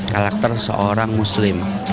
karakter seorang muslim